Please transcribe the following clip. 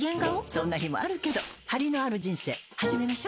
そんな日もあるけどハリのある人生始めましょ。